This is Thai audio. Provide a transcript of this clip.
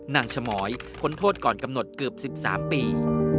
ฉมอยพ้นโทษก่อนกำหนดเกือบ๑๓ปี